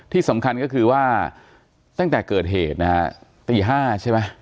ที่สำคัญก็คือว่าตั้งแต่เกิดเหตุนะฮะตี๕ใช่ไหม